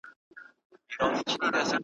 چا بچي غېږ کي نیول کراروله .